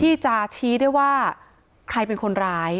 ที่จะชี้ได้ว่าใครเป็นคนร้าย